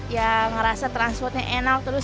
ya ngerasa transportnya enak terus